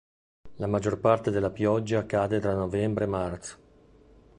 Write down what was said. La maggior parte della pioggia cade tra novembre e marzo.